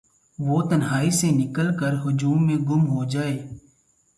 وہ تنہائی سے نکل کرہجوم میں گم ہوجائے